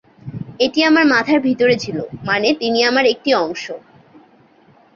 এটি আমার মাথার ভিতরে ছিল, মানে তিনি আমার একটি অংশ।